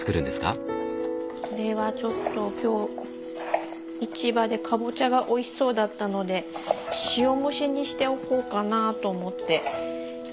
これはちょっと今日市場でかぼちゃがおいしそうだったので塩蒸しにしておこうかなと思って。